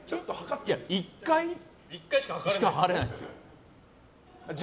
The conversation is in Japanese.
１回しか量れないですよ。